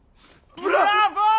ブラボー！